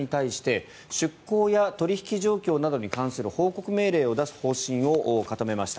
先週の金曜日損保７社に対して出向や取引状況などに関する報告命令を出す方針を固めました。